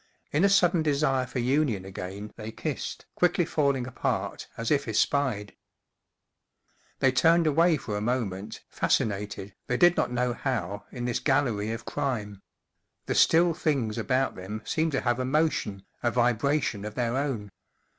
In a sudden desire for union again they kissed, quickly falling apart, as if espied. They turned away for a moment, fas* cinated, they did not know how, in this gallery of crime; the still things about them seemed to have a motion, a vibra¬ tion of their own.